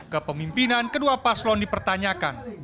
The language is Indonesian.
kepemimpinan kedua pas lon dipertanyakan